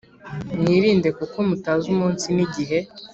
Mwirinde kuko mutazi umunsi n’igihe